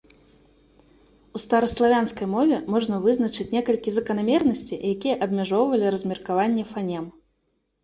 У стараславянскай мове можна вызначыць некалькі заканамернасцей, якія абмяжоўвалі размеркаванне фанем.